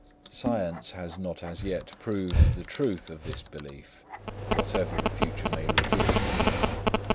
Science has not as yet proved the truth of this belief, whatever the future may reveal.